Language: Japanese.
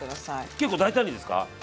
結構大胆にですか？